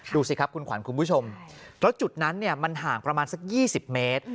ดูสิครับคุณขวัญคุณผู้ชมแล้วจุดนั้นมันห่างประมาณสัก๒๐เมตร